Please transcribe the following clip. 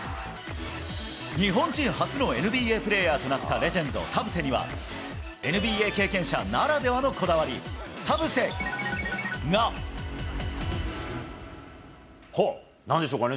日本人初のＮＢＡプレーヤーとなったレジェンド、田臥には、ＮＢＡ経験者ならではのこだわり、田臥×××が。ほぉ、なんでしょうかね？